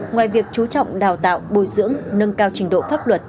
ngoài việc chú trọng đào tạo bồi dưỡng nâng cao trình độ pháp luật